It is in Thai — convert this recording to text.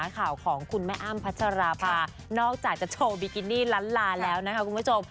ข่าวของคุณแม่อ้ำพัชราภานอกจากจะโชว์บิกินี่ล้านลาแล้วนะคะคุณผู้ชม